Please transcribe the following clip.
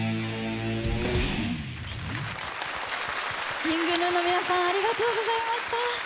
ＫｉｎｇＧｎｕの皆さん、ありがとうございました。